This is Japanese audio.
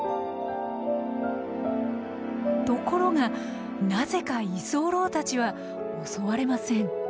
ところがなぜか居候たちは襲われません。